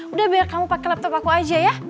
udah biar kamu pakai laptop aku aja ya